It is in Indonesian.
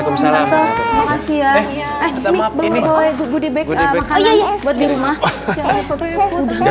oke nanti lapor lagi di rumah